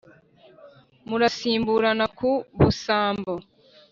Murasimburana ku busambo